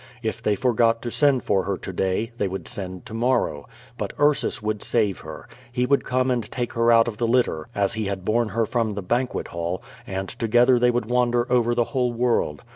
If they forgot to send for her to day, they would send to morrow. But Ursus would save her. lie would come and take her out of the litter, as he liad borne her from the banquet hall, and together they would wander over the whole world.